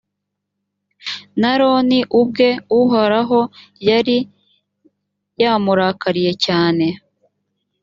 n’aroni ubwe uhoraho yari yamurakariye cyane,